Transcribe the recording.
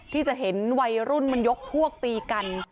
ที่จะเห็นวัยรุ่นมันยกพวกตีกัน